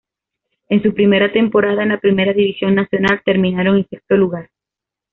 En su primera temporada en la primera división nacional terminaron en sexto lugar.